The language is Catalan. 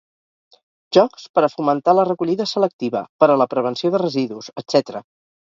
Jocs per a fomentar la recollida selectiva, per a la prevenció de residus, etcètera.